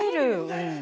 うん。